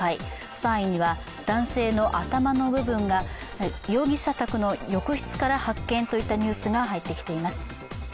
３位には、男性の頭の部分が容疑者宅の浴室から発見といったニュースが入ってきています。